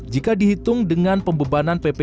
jika dihitung dengan pembebanan pph sebelas lima persen